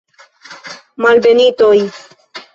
Malbenitoj!